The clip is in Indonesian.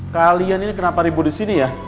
kalian ini kenapa ribu disini ya